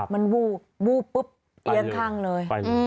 มันวูบวูบปุ๊บเอียงข้างเลย